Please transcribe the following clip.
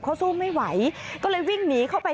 เขาสู้ไม่ไหวก็เลยวิ่งหนีเข้าไป